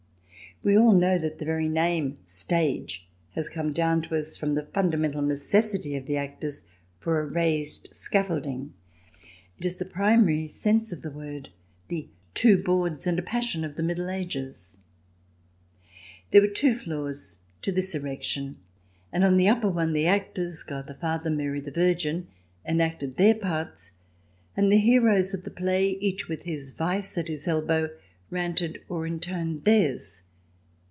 We all know that the very name Stage has come down to us from the fundamental necessity of the actors for a raised scaffolding. It is the primary sense of the word — the " two boards and a passion" of the Middle Ages. There were two floors to this erection, and on the upper one the actors— God the Father, Mary the Virgin — enacted their parts, and the heroes of the play, each with his Vice at his elbow, ranted or intoned theirs.